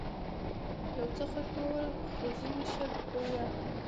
یو څه خموش ول خو ځینې ښه ګویا.